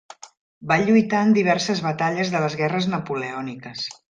Va lluitar en diverses batalles de les guerres napoleòniques.